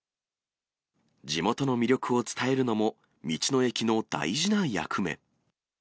地元の魅力を伝えるのも、道の駅の大事な役目。